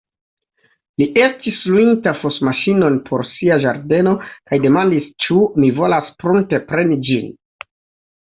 Li estis luinta fosmaŝinon por sia ĝardeno kaj demandis, ĉu mi volas pruntepreni ĝin.